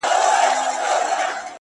زموږ څه ژوند واخله’